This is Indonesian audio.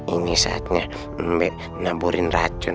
ini saatnya naburin racun